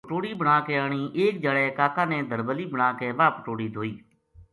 پٹوڑی بنا کے آنی ایک دھیاڑے کا کا نے دربلی بنا کے واہ پٹوڑی دھوئی